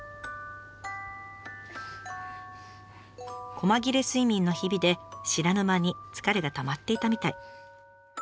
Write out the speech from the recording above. こま切れ睡眠の日々で知らぬ間に疲れがたまっていたみたい。